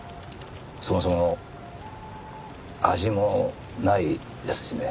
そもそも味もないですしね。